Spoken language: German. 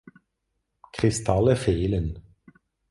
Kristalle fehlen.